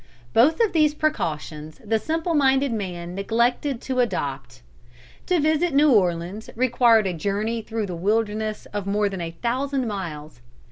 Both of these precautions the simple minded man neglected to adopt. To visit New Orleans required a journey through the wilderness of more than a thousand miles.